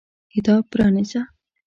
کتاب پرانیزه !